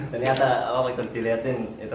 ternyata waktu dilihatin itu